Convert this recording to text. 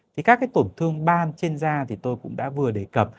thì các cái tổn thương ban trên da thì tôi cũng đã vừa đề cập